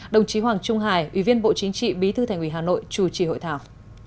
đồng chí hoàng trung hải ủy viên bộ chính trị bí thư thành ủy hà nội chủ trì hội thảo